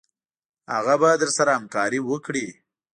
هغه به درسره همکاري وکړي.